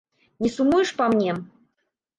Не сумуеш па мне?